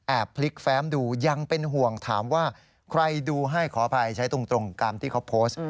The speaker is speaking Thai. พลิกแฟ้มดูยังเป็นห่วงถามว่าใครดูให้ขออภัยใช้ตรงตามที่เขาโพสต์